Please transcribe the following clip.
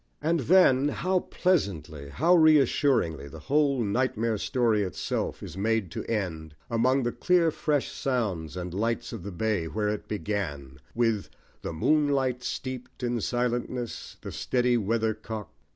And then, how pleasantly, how reassuringly, the whole nightmare story itself is made to end, among the clear fresh sounds and lights of the bay, where it began, with The moon light steeped in silentness, The steady weather cock.